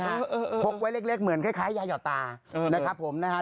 ใช่ฮะพกไว้เล็กเหมือนคล้ายยาหย่อตานะครับผมมาแหละนะฮะ